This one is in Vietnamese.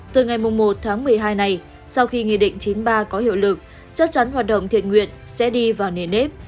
từ ngày một tháng một mươi hai này sau khi nghị định chín mươi ba có hiệu lực chắc chắn hoạt động thiện nguyện sẽ đi vào nề nếp